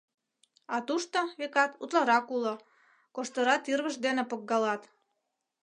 А тушто, векат, утларак уло, коштыра тӱрвышт дене погкалат.